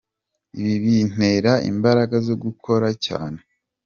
Ibi bintera imbaraga zo gukora cyane.